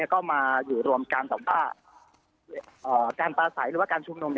ก็มาอยู่รวมกันสำหรับการประสัยหรือการชุมนม